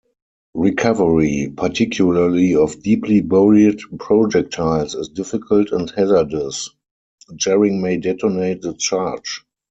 Recovery, particularly of deeply-buried projectiles, is difficult and hazardous-jarring may detonate the charge.